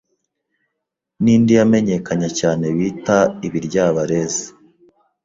n’indi yamenyekanye cyane bita ibiryaberezi.